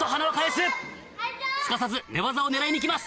すかさず寝技を狙いに行きます